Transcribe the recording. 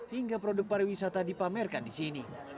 hingga produk pariwisata dipamerkan di sini